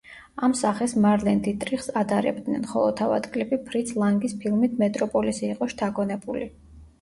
ამ სახეს მარლენ დიტრიხს ადარებდნენ, ხოლო თავად კლიპი ფრიც ლანგის ფილმით „მეტროპოლისი“ იყო შთაგონებული.